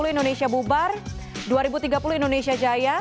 dua ribu tiga puluh indonesia bubar dua ribu tiga puluh indonesia jaya